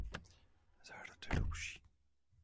Zahrada růží.